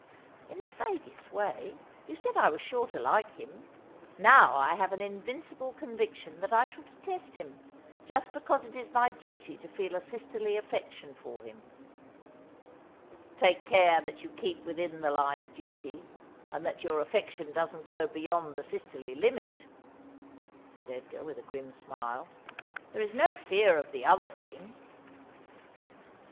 ' In the vaguest way. You said I was sure to like him. Now I have an invincible conviction that I shall detest him ; just because it is my duty to feel a sisterly affection for him.' ' Take care that you keep within the line of duty, and that your afEection doesn't go beyond the sisterly limit,' said Edgar, with a grim smile. ' There is no fear of the other thing.'